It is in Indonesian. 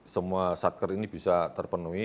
semua satker ini bisa terpenuhi